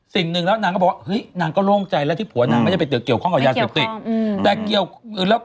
สิ่งนึงแล้วนางก็บอกว่านางก็โล่งใจแล้วที่ผัวนางไม่ได้ไปเกี่ยวข้องกับยาเสพติด